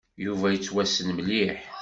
Yuba yettwassen mliḥ.